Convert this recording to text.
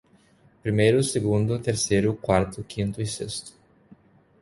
Primeiro, segundo, terceiro, quarto, quinto e sexto